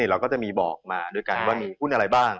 เราก็จะมีบอกมาด้วยกันว่ามีหุ้นอะไรบ้าง